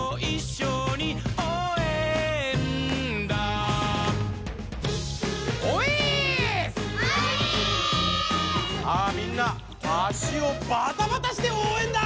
さあみんな足をバタバタしておうえんだ！